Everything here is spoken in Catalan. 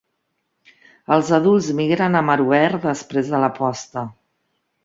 Els adults migren a mar obert després de la posta.